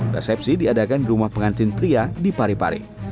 resepsi diadakan di rumah pengantin pria di pari pari